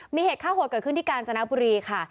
มีเหตุฆ่าโหดเกิดขึ้นที่กาญจนบุรีค่ะ